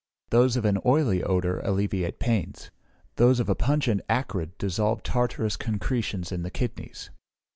Those of an oily odour alleviate pains. Those of a pungent acrid dissolve tartareous concretions in the kidnies.